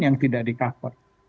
yang tidak dikawal